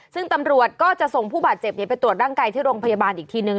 ซึ่งตำรวจก็จะส่งผู้บาดเจ็บไปตรวจร่างกายที่โรงพยาบาลอีกทีนึง